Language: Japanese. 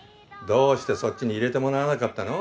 どうしてそっちに入れてもらわなかったの？